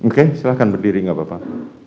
oke silahkan berdiri enggak bapak